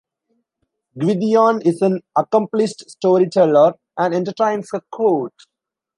Gwydion is an accomplished storyteller and entertains her court.